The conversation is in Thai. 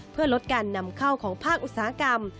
เพื่อลดการนำเข้าของภาคอุตสาหกรรม